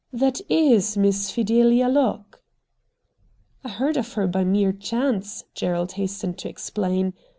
' That is Miss Fideha Locke.' ' I heard of her by mere chance,' Gerald hastened to explain.